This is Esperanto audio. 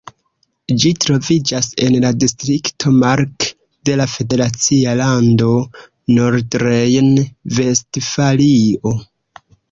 Ĝi troviĝas en la distrikto Mark de la federacia lando Nordrejn-Vestfalio.